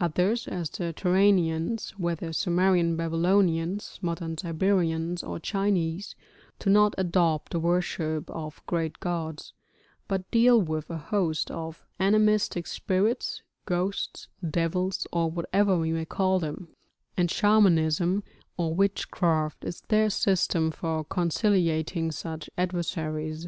Others, as the Turanians, whether Sumerian Babylonians, modern Siberians, or Chinese, do not adopt the worship of great gods, but deal with a host of animistic spirits, ghosts, devils, or whatever we may call them; and Shamanism or witchcraft is their system for conciliating such adversaries.